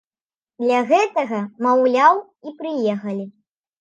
Для гэтага, маўляў, і прыехалі.